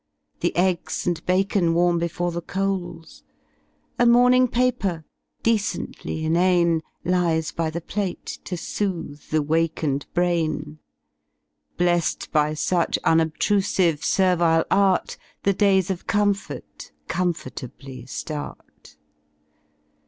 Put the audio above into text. The eggs and bacon warm before the coals, A morning paper, decently inane. Lies by the plate y to soothe the wakened brain BleSi by such unobtrusive servile art The days of comfort comfortably Hart.